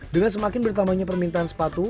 dengan semakin bertambahnya permintaan sepatu